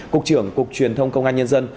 cục trưởng cục truyền thông công an nhân dân